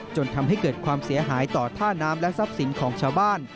จนทำให้เกิดความเสียหายต่อท่าน้ำและทรัพย์สินของชาวบ้าน